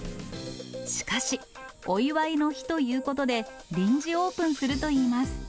しかし、お祝いの日ということで、臨時オープンするといいます。